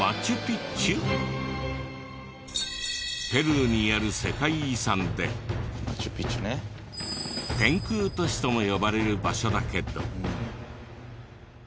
ペルーにある世界遺産で天空都市とも呼ばれる場所だけど。